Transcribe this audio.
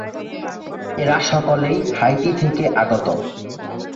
এরা সকলেই হাইতি থেকে আগত।